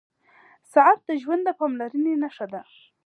• ساعت د ژوند د پاملرنې نښه ده.